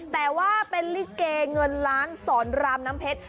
แต่ว่าเป็นลิเกเงินล้านสอนรามน้ำเพชร